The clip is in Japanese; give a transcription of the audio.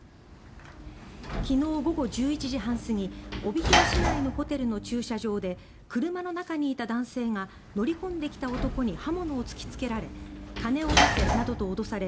昨日午後１１時半過ぎ帯広市内のホテルの駐車場で車の中にいた男性が乗り込んできた男に刃物を突きつけられ金を出せなどと脅され